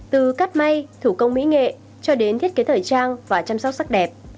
từ cắt may thủ công mỹ nghệ cho đến thiết kế thời trang và chăm sóc sắc đẹp